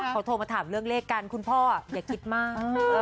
เขาโทรมาถามเรื่องเลขกันคุณพ่ออย่าคิดมาก